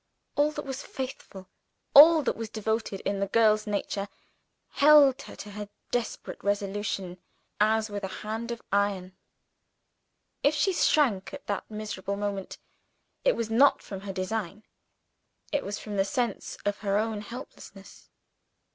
All that was faithful, all that was devoted in the girl's nature, held her to her desperate resolution as with a hand of iron. If she shrank at that miserable moment, it was not from her design it was from the sense of her own helplessness.